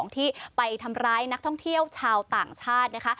ที่ไปทำร้ายนักท่องเที่ยวชาวต่างชาตินะคะ